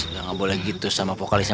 udah nggak boleh gitu sama vokalnya